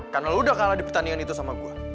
karena lo udah kalah di pertandingan itu sama gue